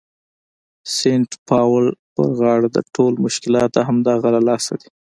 د سینټ پاول په غاړه ده، ټول مشکلات د همدغه له لاسه دي.